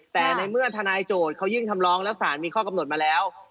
แต่ในเมื่อทนายโจทย์เขายื่นคำร้องแล้วสารมีข้อกำหนดมาแล้ว